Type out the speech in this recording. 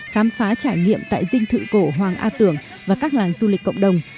khám phá trải nghiệm tại dinh thự cổ hoàng a tưởng và các làng du lịch cộng đồng